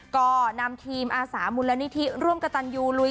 ก่อนำทีมอาสามรณนิษฐีร่วมกับตาลอยูลุย